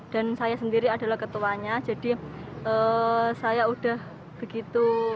dan saya sendiri adalah ketuanya jadi saya udah begitu